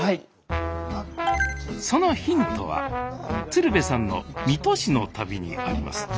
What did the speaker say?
そのヒントは鶴瓶さんの水戸市の旅にあります。